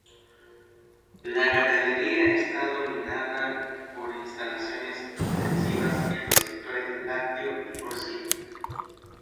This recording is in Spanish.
La ganadería está dominada por instalaciones intensivas en los sectores lácteo y porcino.